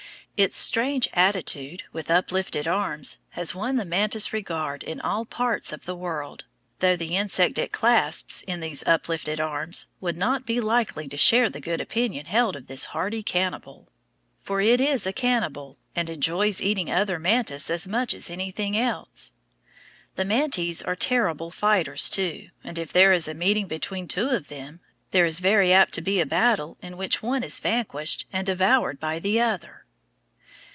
Its strange attitude, with uplifted arms, has won the mantis regard in all parts of the world, though the insects it clasps in these uplifted arms would not be likely to share the good opinion held of this hardy cannibal. For it is a cannibal, and enjoys eating another mantis as much as anything else. The mantes are terrible fighters, too, and if there is a meeting between two of them, there is very apt to be a battle in which one is vanquished and devoured by the other.